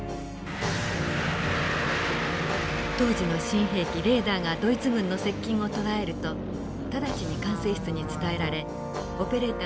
当時の新兵器レーダーがドイツ軍の接近を捉えると直ちに管制室に伝えられオペレーターが敵の動きを示します。